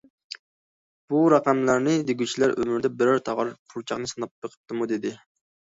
بۇ رەقەملەرنى دېگۈچىلەر ئۆمرىدە بىرەر تاغار پۇرچاقنى ساناپ بېقىپتىمۇ؟- دېدى.